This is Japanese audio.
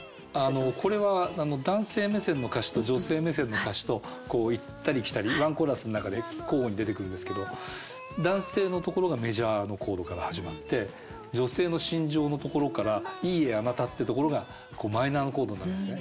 これは男性目線の歌詞と女性目線の歌詞と行ったり来たりワンコーラスの中で交互に出てくるんですけど男性のところがメジャーのコードから始まって女性の心情のところから「いいえあなた」ってところがマイナーのコードになるんですね。